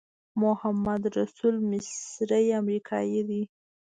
محمدرسول مصری امریکایی دی.